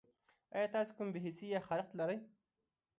ایا تاسو کوم بې حسي یا خارښت لرئ؟